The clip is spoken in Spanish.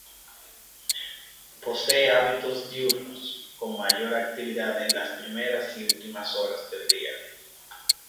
Posee hábitos diurnos, con mayor actividad en las primeras y últimas horas del día.